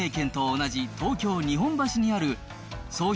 同じ、東京・日本橋にある創業